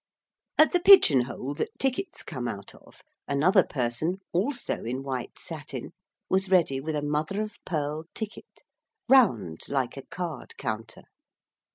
At the pigeon hole that tickets come out of, another person, also in white satin, was ready with a mother of pearl ticket, round, like a card counter.